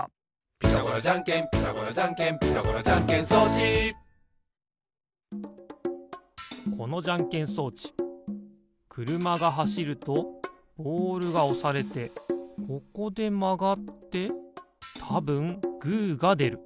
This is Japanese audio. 「ピタゴラじゃんけんピタゴラじゃんけん」「ピタゴラじゃんけん装置」このじゃんけん装置くるまがはしるとボールがおされてここでまがってたぶんグーがでる。